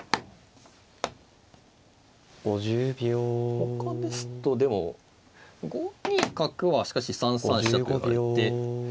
ほかですとでも５二角はしかし３三飛車と寄られて。